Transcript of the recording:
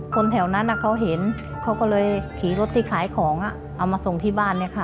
คนแถวนั้นเขาเห็นเขาก็เลยขี่รถที่ขายของเอามาส่งที่บ้านเนี่ยค่ะ